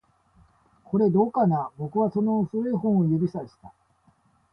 これ、どうかな？僕はその古い本を指差した